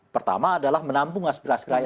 pertama adalah menampung aspirasi rakyat